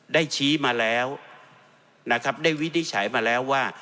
ได้ชี้มาแล้วนะครับได้วินิจฉัยมาแล้วว่า